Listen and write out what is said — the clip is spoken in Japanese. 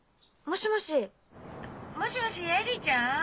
もしもし恵里ちゃん？